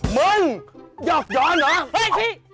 มึงยอกนอนหรอ